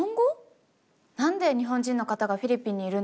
何で日本人の方がフィリピンにいるんですか？